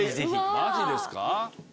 マジですか？